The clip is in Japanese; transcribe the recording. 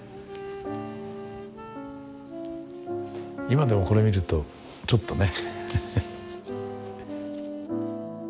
今でもこれ見るとちょっとね。